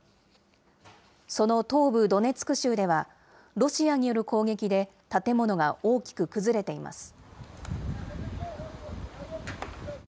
その東部ドネツク州では、ロシアによる攻撃で建物が大きく崩れています。